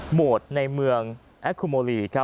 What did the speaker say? โหวตในเมืองแอคคูโมลี